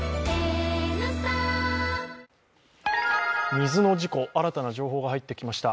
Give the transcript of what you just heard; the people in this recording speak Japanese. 水の事故、新たな情報が入ってきました。